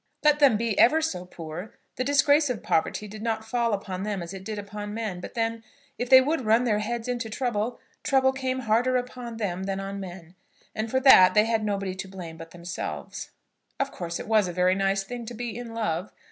Let them be ever so poor, the disgrace of poverty did not fall upon them as it did upon men. But then, if they would run their heads into trouble, trouble came harder upon them than on men; and for that they had nobody to blame but themselves. Of course it was a very nice thing to be in love.